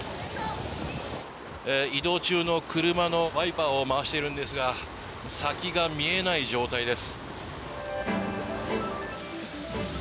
移動中の車のワイパーを回しているんですが先が見えない状態です。